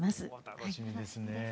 楽しみですね。